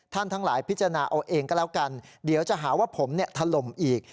ทั้งหลายพิจารณาเอาเองก็แล้วกันเดี๋ยวจะหาว่าผมถล่มอีก